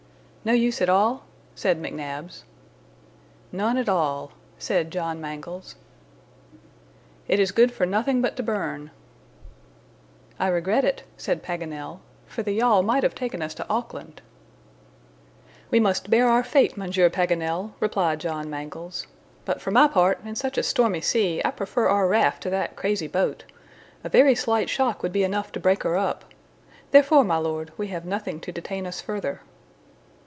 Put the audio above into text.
"No use at all?" said McNabbs. "None at all," said John Mangles. "It is good for nothing but to burn." "I regret it," said Paganel, "for the yawl might have taken us to Auckland." "We must bear our fate, Monsieur Paganel," replied John Mangles. "But, for my part, in such a stormy sea I prefer our raft to that crazy boat. A very slight shock would be enough to break her up. Therefore, my lord, we have nothing to detain us further."